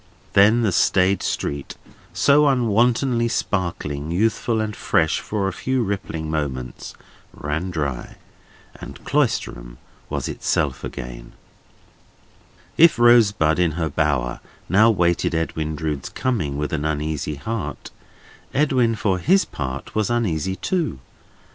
Then the staid street, so unwontedly sparkling, youthful, and fresh for a few rippling moments, ran dry, and Cloisterham was itself again. [Illustration: "Good bye, Rosebud darling"] If Rosebud in her bower now waited Edwin Drood's coming with an uneasy heart, Edwin for his part was uneasy too.